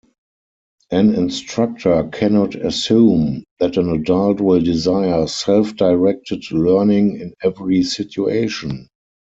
An instructor cannot assume that an adult will desire self-directed learning in every situation.